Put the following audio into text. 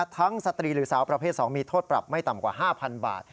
สตรีหรือสาวประเภท๒มีโทษปรับไม่ต่ำกว่า๕๐๐๐บาท